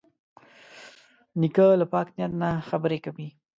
نیکه له پاک نیت نه خبرې کوي.